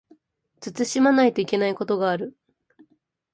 慎まないといけないことがある